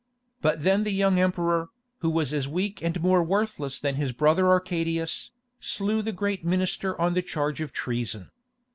But then the young emperor, who was as weak and more worthless than his brother Arcadius, slew the great minister on a charge of treason.